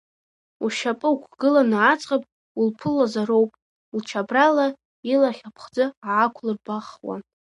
Ушьапы уқәгыланы аӡӷаб улԥылозароуп, лчабрала илахь аԥхӡы аақәлырбахуан.